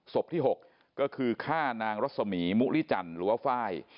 ศพที่๖ก็คือฆ่านางรัศมีมุริจันทร์หรือว่าไฟล์